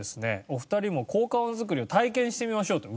お二人も効果音作りを体験してみましょうと。